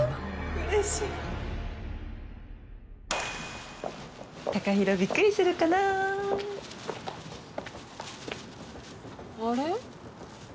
うれしい貴裕ビックリするかなあれ？